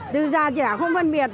từ già trẻ không phân biệt